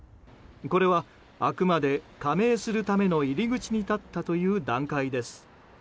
これは、あくまで加盟するための入り口に立ったという段階です。